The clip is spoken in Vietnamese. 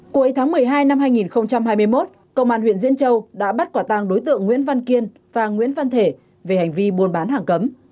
cuối tháng một mươi hai năm hai nghìn hai mươi một công an huyện diễn châu đã bắt quả tàng đối tượng nguyễn văn kiên và nguyễn văn thể về hành vi buôn bán hàng cấm